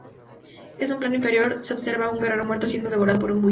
En un plano inferior se observa un guerrero muerto siendo devorado por un buitre.